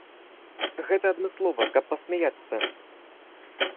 Гэта адмыслова, каб пасмяяцца.